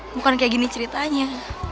bukan kayak gini ceritanya